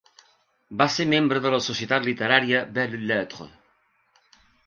Va ser membre de la Societat Literària Belles Lettres.